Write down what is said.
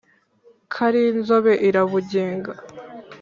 karinzobe irabugenga.